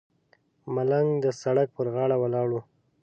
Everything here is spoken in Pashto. ملنګ د سړک پر غاړه ولاړ و.